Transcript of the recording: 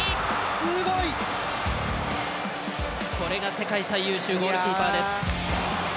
すごい！これが世界最優秀ゴールキーパーです。